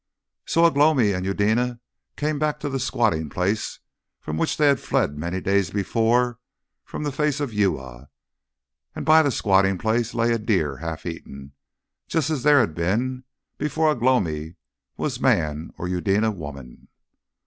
So Ugh lomi and Eudena came back to the squatting place from which they had fled many days before from the face of Uya; and by the squatting place lay a deer half eaten, just as there had been before Ugh lomi was man or Eudena woman.